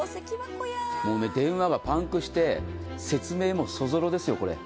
もうね、電話がパンクして説明もそぞろですよ。